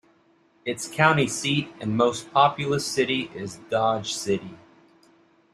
Its county seat and most populous city is Dodge City.